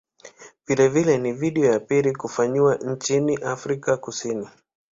Vilevile ni video ya pili kufanyiwa nchini Afrika Kusini.